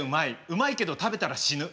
うまいけど食べたら死ぬ。